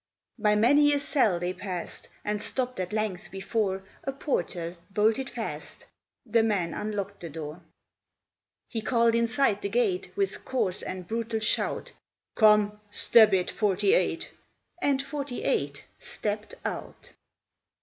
By many a cell they passed And stopped at length before A portal, bolted fast: The man unlocked the door. He called inside the gate With coarse and brutal shout, "Come, step it, forty eight!" And forty eight stepped out.